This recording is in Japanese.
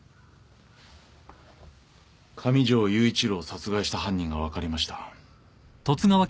上条雄一郎を殺害した犯人が分かりました。